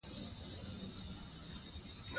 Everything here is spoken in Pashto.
چې سبا نازنين تيار کړي چې پسې راځم.